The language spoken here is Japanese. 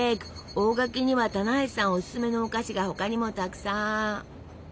大垣には棚橋さんおすすめのお菓子が他にもたくさん！